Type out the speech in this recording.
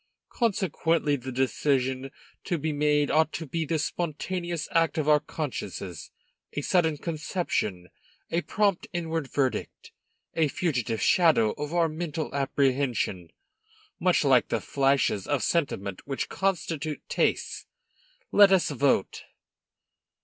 Consequently the decision to be made ought to be the spontaneous act of our consciences, a sudden conception, a prompt inward verdict, a fugitive shadow of our mental apprehension, much like the flashes of sentiment which constitute taste. Let us vote."